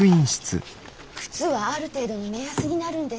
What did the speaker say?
靴はある程度の目安になるんです。